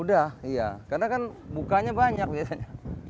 udah iya karena kan bukanya banyak biasanya